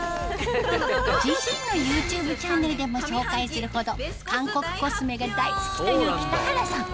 自身のＹｏｕＴｕｂｅチャンネルでも紹介するほど韓国コスメが大好きという北原さん